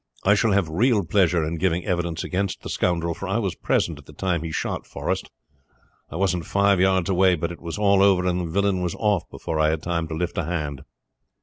I shall have real pleasure in giving evidence against the scoundrel for I was present at the time he shot poor Forrest. I wasn't five yards away, but it was all over and the villain was off before I had time to lift a hand."